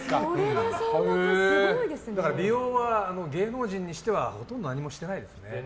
美容は芸能人にしてはほとんど何もしてないですね。